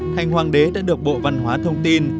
thành hoàng đế đã được bộ văn hóa thông tin